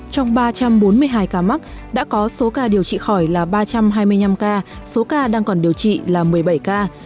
trong ba trăm bốn mươi hai ca mắc đã có số ca điều trị khỏi là ba trăm hai mươi năm ca số ca đang còn điều trị là một mươi bảy ca